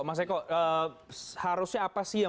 mas eko harusnya apa sih yang